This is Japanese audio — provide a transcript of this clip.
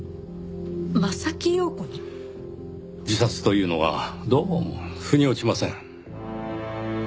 自殺というのはどうも腑に落ちません。